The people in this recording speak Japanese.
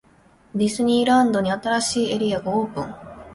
ディズニーランドに、新しいエリアがオープン!!